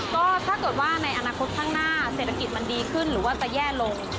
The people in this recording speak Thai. ก็ถ้าเกิดว่าในอนาคตข้างหน้าเศรษฐกิจมันดีขึ้นหรือว่าจะแย่ลง